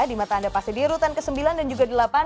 di mata anda pasti di rutan ke sembilan dan juga ke delapan